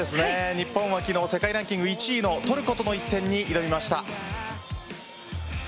日本は昨日世界ランキング１位のトルコとの一戦に挑みました。